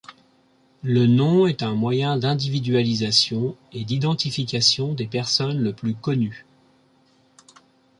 Le nom est un moyen d'individualisation et d'identification des personnes le plus connu.